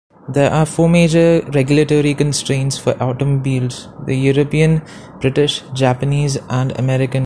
There are four major regulatory constraints for automobiles: the European, British, Japanese, and American.